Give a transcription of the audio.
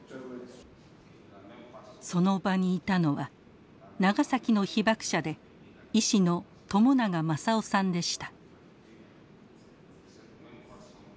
その場にいたのは長崎の被爆者で医師の朝長万左男さんでした。